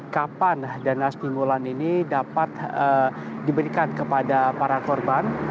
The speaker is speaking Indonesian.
kapan dana stimulan ini dapat diberikan kepada para korban